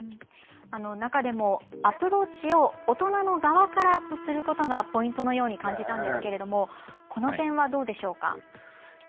中でもアプローチを大人の側からすることがポイントのように感じたんですけれどもこの点はどうでしょうか。